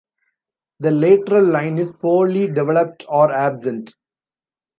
The lateral line is poorly developed or absent.